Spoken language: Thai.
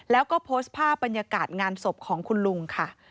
แล้วก็โพสต์ภาพบรรยากาศงานศพของคุณลุงค่ะ